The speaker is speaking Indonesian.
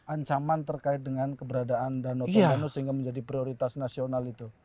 ancaman terkait dengan keberadaan danau tobau sehingga menjadi prioritas nasional itu